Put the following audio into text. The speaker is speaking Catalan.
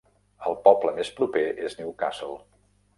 El poble més proper és Newcastle.